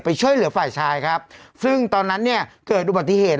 ช่วยเหลือฝ่ายชายครับซึ่งตอนนั้นเนี่ยเกิดอุบัติเหตุ